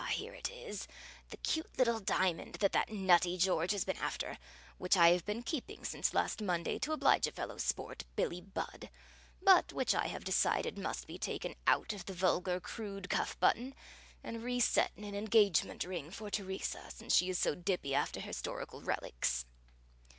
here it is, the cute little diamond that that nutty George has been after, which I have been keeping since last Monday to oblige a fellow sport, Billie Budd, but which I have decided must be taken out of the vulgar crude cuff button and reset in an engagement ring for Teresa, since she is so dippy after historical relics!"